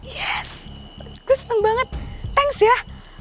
yes gue seneng banget thanks ya